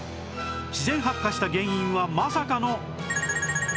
自然発火した原因はまさかのだった